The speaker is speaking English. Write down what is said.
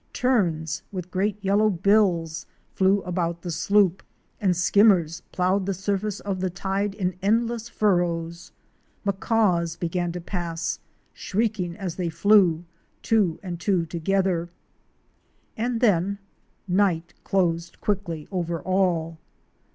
Terns" with great yellow bills flew about the sloop, and Skimmers ploughed the surface of the tide in endless furrows. Macaws™ began to pass, shrieking as they flew, two and two together — and then night closed quickly over all.